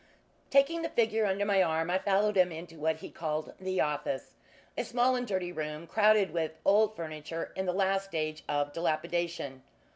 Taking the figure under my arm, I followed him into what he called "the office" a small and dirty room, crowded with old furniture in the last stage of dilapidation.